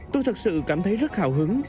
tôi thật sự cảm thấy rất hào hứng